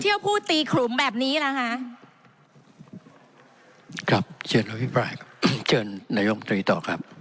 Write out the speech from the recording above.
เที่ยวผู้ตีขลุมแบบนี้ล่ะฮะครับเชิญครับพี่ปลายเชิญนายมตีต่อครับ